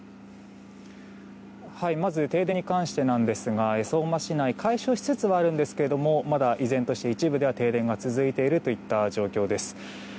まず、停電に関してですが相馬市内、解消しつつはあるんですけれどもまだ、依然として一部で停電が続いている状態です。